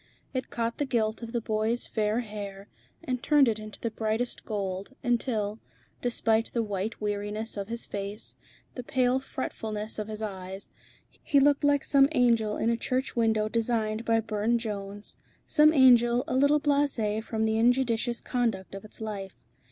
It caught the gilt of the boy's fair hair and turned it into brightest gold, until, despite the white weariness of his face, the pale fretfulness of his eyes, he looked like some angel in a church window designed by Burne Jones, some angel a little blasé from the injudicious conduct of its life.